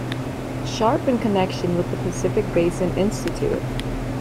Sharpe in connection with the Pacific Basin Institute.